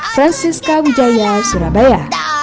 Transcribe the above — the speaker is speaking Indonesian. francisca wijaya surabaya